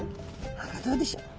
歯がどうでしょう。